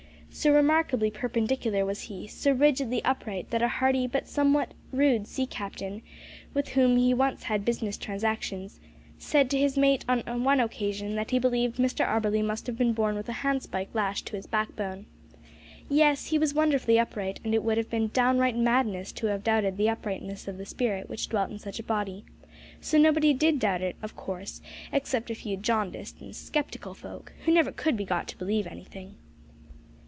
So remarkably perpendicular was he, so rigidly upright, that a hearty but somewhat rude sea captain, with whom he once had business transactions, said to his mate on one occasion that he believed Mr Auberly must have been born with a handspike lashed to his backbone. Yes, he was wonderfully upright, and it would have been downright madness to have doubted the uprightness of the spirit which dwelt in such a body; so nobody did doubt it, of course, except a few jaundiced and sceptical folk, who never could be got to believe anything.